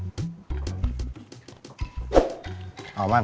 paudu determine rasanya